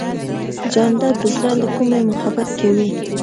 جانداد د زړه له کومې محبت کوي.